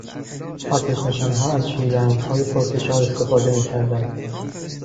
آتش نشانها از شیلنگهای پرفشار استفاده میکردند.